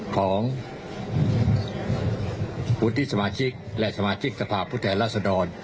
ของวุฒิสมาชิกและสมาชิกสภาพผู้แทนรัศดร